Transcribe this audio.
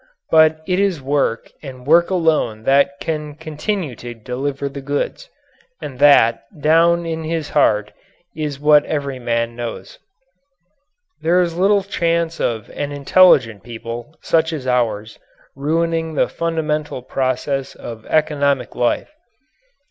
But it is work and work alone that can continue to deliver the goods and that, down in his heart, is what every man knows. There is little chance of an intelligent people, such as ours, ruining the fundamental processes of economic life.